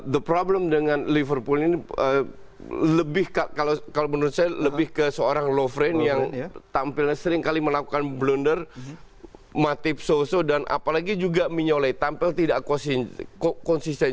the problem dengan liverpool ini lebih kalau menurut saya lebih ke seorang lovereign yang tampil seringkali melakukan blunder matip soso dan apalagi juga minole tampil tidak konsisten